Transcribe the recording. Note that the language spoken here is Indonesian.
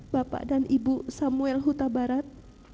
bapak dan ibu samuel huta barat